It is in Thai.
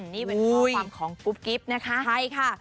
นี่เป็นความของกุ๊บกิ๊บนะคะโอ้โฮใช่ค่ะ